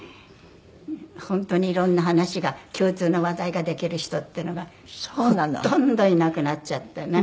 本当に色んな話が共通の話題ができる人っていうのがほとんどいなくなっちゃってね。